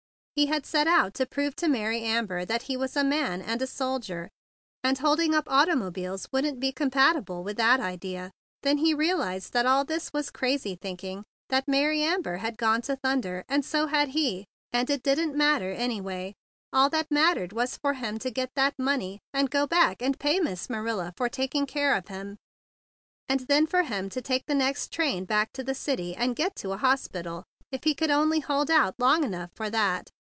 He had set out to prove to Mary Amber that he was a man and a soldier, and holding up automobiles wouldn't be compatible with that idea. Then he realized that all this was crazy thinking, that Mary Amber had gone to thunder, and so had he, and it didn't matter, anyway. All that mattered was for him to get that money and go back and pay Miss Ma¬ nila for taking care of him; and then THE BIG BLUE SOLDIER 109 for him to take the next train back to the city, and get to a hospital. If he could only hold out long enough for that.